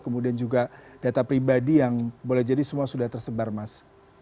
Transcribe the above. kemudian juga data pribadi yang boleh jadi semua sudah tersebar mas